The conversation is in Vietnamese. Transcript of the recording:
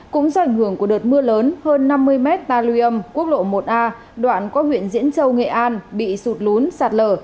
cũng do ảnh hưởng của đợt mưa lớn hơn năm mươi m ta lưu âm quốc lộ một a đoạn qua huyện diễn châu nghệ an bị sụt lún sạt lở